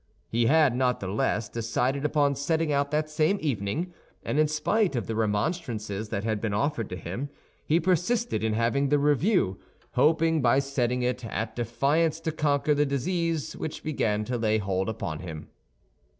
He had, not the less, decided upon setting out that same evening; and in spite of the remonstrances that had been offered to him, he persisted in having the review, hoping by setting it at defiance to conquer the disease which began to lay hold upon him.